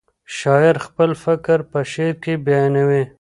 شاعر خپل فکر په شعر کې بیانوي.